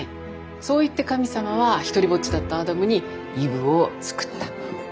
そういって神様は独りぼっちだったアダムにイブをつくった。